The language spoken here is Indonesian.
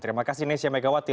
terima kasih nesya megawati